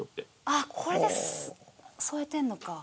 あっこれで添えてるのか。